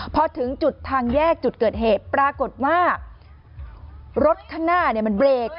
พอถึงจุดทางแยกจุดเกิดเหตุปรากฏว่ารถข้างหน้ามันเบรก